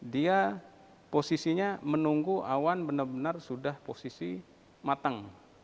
dia posisinya menunggu awan benar benar sudah posisi matang